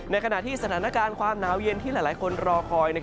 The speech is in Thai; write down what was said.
ขณะที่สถานการณ์ความหนาวเย็นที่หลายคนรอคอย